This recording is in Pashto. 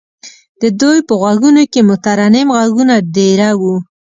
د دوی په غوږونو کې مترنم غږونه دېره وو.